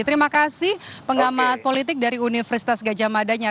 terima kasih pengamat politik dari universitas gajah madanya